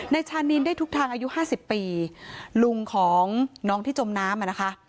ชานินได้ทุกทางอายุห้าสิบปีลุงของน้องที่จมน้ำอ่ะนะคะ